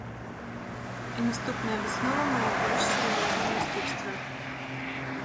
А наступная выснова мае больш сур'ёзныя наступствы.